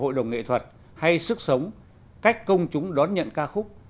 hội đồng nghệ thuật hay sức sống cách công chúng đón nhận ca khúc